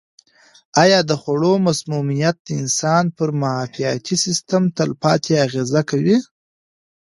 آیا د خوړو مسمومیت د انسان پر معافیتي سیستم تلپاتې اغېزه کوي؟